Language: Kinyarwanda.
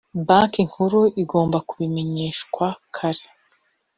banki nkuru igomba kubimenyeshwa kare.